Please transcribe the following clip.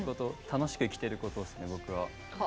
楽しく生きてることですね、僕は。